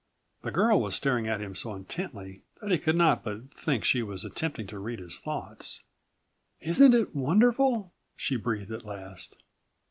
The girl was staring at him so intently that he could not but think she was attempting to read his thoughts. "Isn't it wonderful?" she breathed at last.